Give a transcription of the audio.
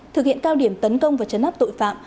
thực hiện cao điểm tấn công và chấn áp tội phạm